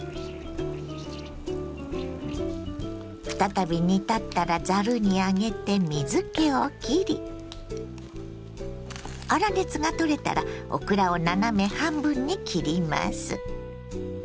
再び煮立ったらざるに上げて水けをきり粗熱が取れたらオクラを斜め半分に切ります。